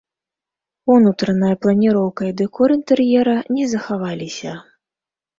Унутраная планіроўка і дэкор інтэр'ера не захаваліся.